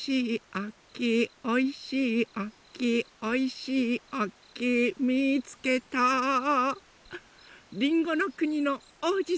あきおいしいあきおいしいあきみつけたりんごのくにのおうじさまワンワン！